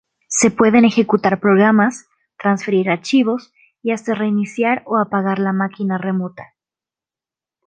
Se pueden ejecutar programas, transferir archivos y hasta reiniciar o apagar la máquina remota.